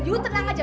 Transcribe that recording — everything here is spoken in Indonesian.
yuk tenang aja